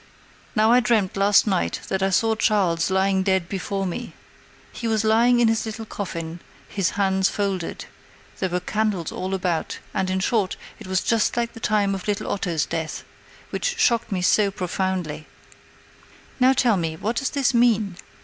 Now I dreamt last night that _I saw Charles lying dead before me. He was lying in his little coffin, his hands folded: there were candles all about, and, in short, it was just like the time of little Otto's death, which shocked me so profoundly_. Now tell me, what does this mean?